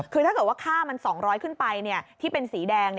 คือถ้าเกิดว่าค่ามัน๒๐๐ขึ้นไปที่เป็นสีแดง